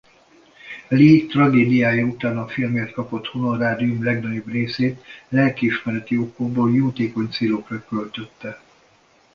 Lee tragédiája után a filmért kapott honorárium legnagyobb részét lelkiismereti okokból jótékony célokra költötte.